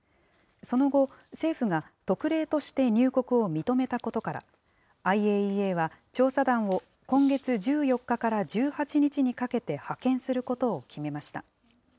その後、政府が特例として入国を認めたことから、ＩＡＥＡは調査団を今月１４日から１８日にかけて派遣することを決めました。